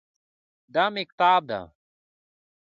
دا مېکتاب ده